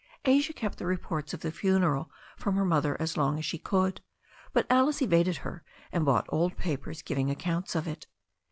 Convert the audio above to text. Asia kept the reports of the funeral from her mother as long as she could, but Alice evaded her and bought old papers giving accounts of it.